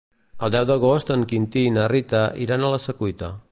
El deu d'agost en Quintí i na Rita iran a la Secuita.